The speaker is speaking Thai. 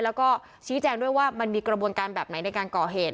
แล้วก็ชี้แจงด้วยว่ามันมีกระบวนการแบบไหนในการก่อเหตุ